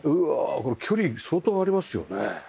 これ距離相当ありますよね？